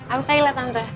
aku kaila tante